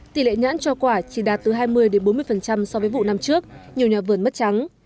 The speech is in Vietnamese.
tỷ lệ nhãn cho quả chỉ đạt từ hai mươi bốn mươi so với vụ năm trước nhiều nhà vườn mất trắng